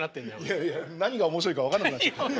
いやいや何が面白いか分かんなくなっちゃって。